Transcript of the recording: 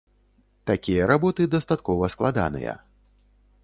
Такія работы дастаткова складаныя.